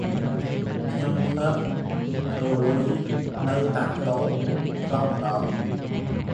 ខ្ញុំធ្លាប់ប្ដូរលុយនៅតូបតាមផ្លូវម្ដង។